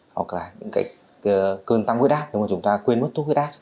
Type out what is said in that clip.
hoặc là những cơn tăng huyết áp chúng ta quên mất thuốc huyết áp